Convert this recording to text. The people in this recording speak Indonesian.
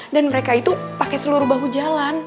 dan mereka itu pakai seluruh bahu jalan